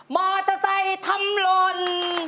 มอเตอร์ไซค์ทำลน